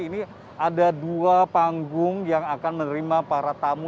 ini ada dua panggung yang akan menerima para tamu